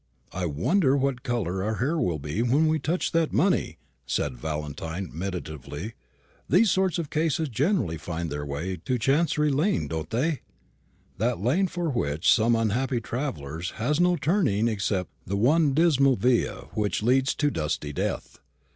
"I wonder what colour our hair will be when we touch that money?" said Valentine meditatively. "These sort of cases generally find their way into Chancery lane, don't they? that lane which, for some unhappy travellers, has no turning except the one dismal via which leads to dusty death.